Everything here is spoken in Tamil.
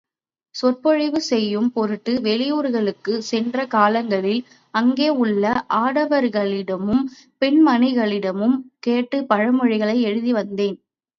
சொற்பொழிவு செய்யும் பொருட்டு வெளியூர்களுக்குச் சென்ற காலங்களில் அங்கே உள்ள ஆடவர்களிடமும் பெண்மணிகளிடமும் கேட்டுப் பழமொழிகளை எழுதி வந்தேன்.